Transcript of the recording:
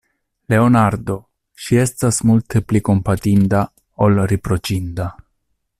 Leonardo, ŝi estas multe pli kompatinda, ol riproĉinda.